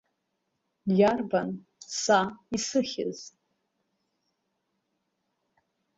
Иарбан са исыхьыз?